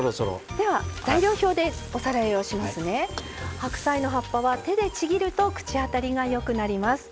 白菜の葉っぱは手でちぎると口当たりがよくなります。